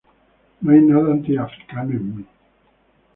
No hay nada anti-africano en mí.